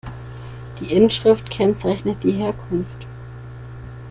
Die Inschrift kennzeichnet die Herkunft.